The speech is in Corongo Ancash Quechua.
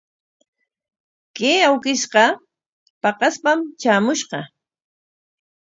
Kay awkishqa paqaspam traamushqa.